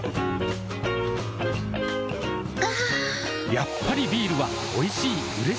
やっぱりビールはおいしい、うれしい。